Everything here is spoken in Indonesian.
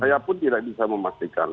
saya pun tidak bisa memastikan